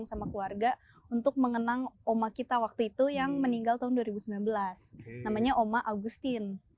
selamat selamat menikmati